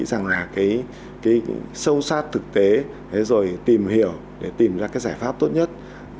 rằng là cái sâu sát thực tế rồi tìm hiểu để tìm ra cái giải pháp tốt nhất